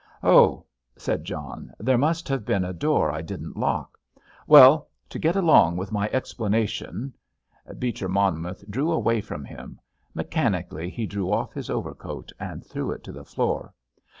"Oh!" said John. "There must have been a door I didn't lock. Well, to get along with my explanation—" Beecher Monmouth drew away from him; mechanically he drew off his overcoat and threw it to the floor.